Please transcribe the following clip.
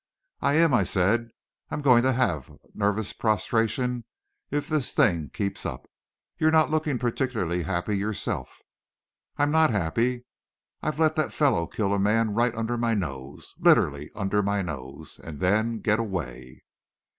"I am," I said. "I'm going to have nervous prostration if this thing keeps up. You're not looking particularly happy yourself." "I'm not happy. I've let that fellow kill a man right under my nose literally, under my nose! and then get away!"